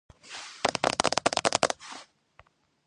შესასვლელი ორი აქვს სამხრეთით და დასავლეთით.